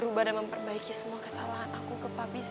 berubah dan memperbaiki semua kesalahan aku ke papi sama mama adriana